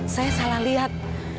saya salah lihat